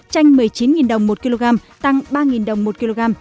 chanh một mươi chín đồng một kg tăng ba đồng một kg